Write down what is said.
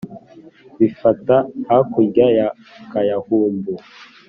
Bifata hakurya ya Kayumbu